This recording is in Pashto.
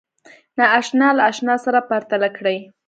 ناآشنا له آشنا سره پرتله کړئ